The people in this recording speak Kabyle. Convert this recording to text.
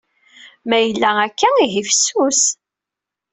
Ma yella akka, ihi fessus.